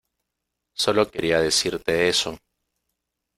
Sólo quería decirte eso.